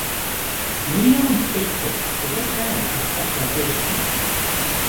Radio and Space Physics was his area of specialization.